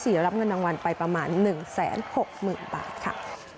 แล้วรับเงินรางวัลไปประมาณ๑แสน๖หมื่นบาทค่ะ